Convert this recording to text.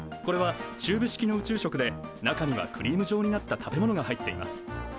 これはチューブ式の宇宙食で中にはクリーム状になった食べ物が入っています。